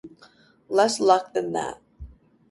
Less luck than that.